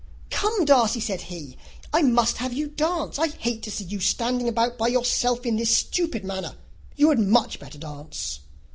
"Come, Darcy," said he, "I must have you dance. I hate to see you standing about by yourself in this stupid manner. You had much better dance."